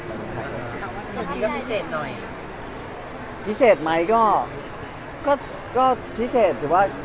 มั้ยค่ะนี่ก็พิเศษน่อยพิเศษมั้ยก็ก็พิเศษหรือว่า